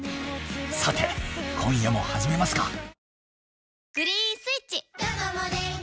さて今夜も始めますか。